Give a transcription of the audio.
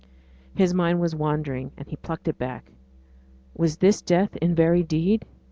His mind was wandering, and he plucked it back. Was this death in very deed?